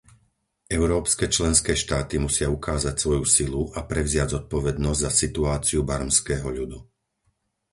Európske členské štáty musia ukázať svoju silu a prevziať zodpovednosť za situáciu barmského ľudu.